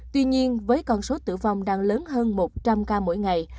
tuy nhiên với con số tử vong đang lớn hơn một trăm linh ca mỗi ngày